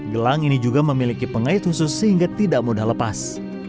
gelang ini juga memiliki pengait khusus sehingga tidak mudah lepas